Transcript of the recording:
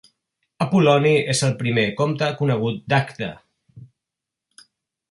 Apol·loni és el primer comte conegut d'Agde.